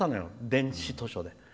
電子図書で。